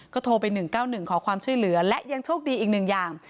โทรไป๑๙๑ขอความช่วยเหลือและยังโชคดีอีกหนึ่งอย่าง